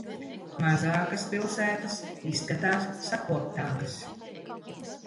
Mazākas pilsētas izskatās sakoptākas.